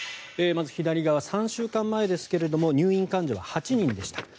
まず、３週間前ですが入院患者は８人でした。